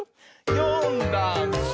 「よんだんす」